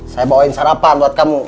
saya bawain sarapan buat kamu